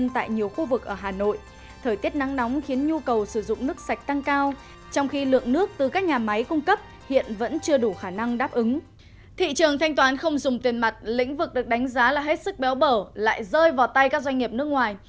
thị trường thanh toán không dùng tiền mặt lĩnh vực được đánh giá là hết sức béo bở lại rơi vào tay các doanh nghiệp nước ngoài